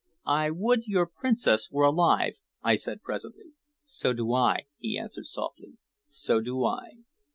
"I would your princess were alive," I said presently. "So do I," he answered softly. "So do I."